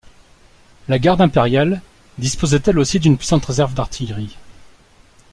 La Garde impériale disposait elle aussi d'une puissante réserve d'artillerie.